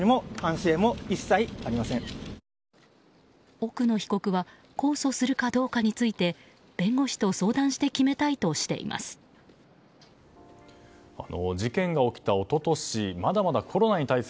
奥野被告は控訴するかどうかについて弁護士と相談して決めたいとしています。